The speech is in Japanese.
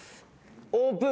オープン！